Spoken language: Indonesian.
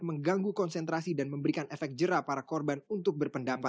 mengganggu konsentrasi dan memberikan efek jerah para korban untuk berpendampak